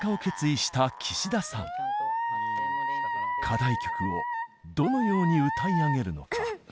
課題曲をどのように歌い上げるのか？